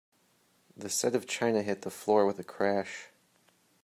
The set of china hit the floor with a crash.